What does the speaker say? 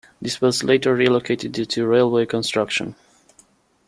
This was later relocated due to railway construction.